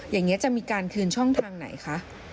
อย่างนี้จะมีการคืนช่องทางไหนคะ